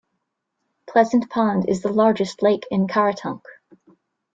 Pleasant Pond is the largest lake in Caratunk.